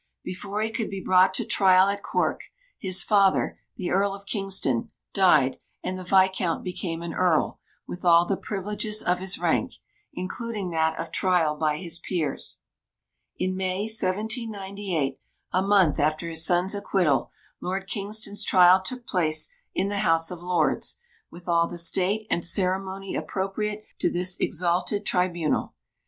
Before he could be brought to trial at Cork, his father, the Earl of Kingston, died, and the Viscount became an Earl, with all the privileges of his rank including that of trial by his Peers. In May 1798, a month after his son's acquittal, Lord Kingston's trial took place in the House of Lords, with all the state and ceremony appropriate to this exalted tribunal.